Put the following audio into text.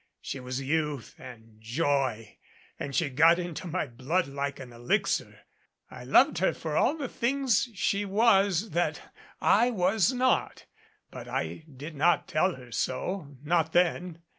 She was Youth and Joy, and she got into my blood like an elixir. I loved her for all the things she was that I was not, but I did not tell her so not then.